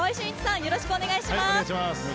よろしくお願いします。